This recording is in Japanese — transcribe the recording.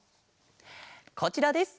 こちらです。